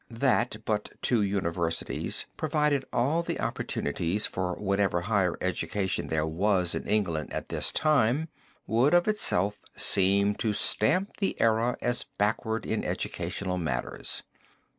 That but two universities provided all the opportunities for whatever higher education there was in England at this time, would of itself seem to stamp the era as backward in educational matters.